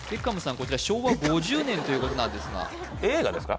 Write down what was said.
こちら昭和５０年ということなんですが映画ですか？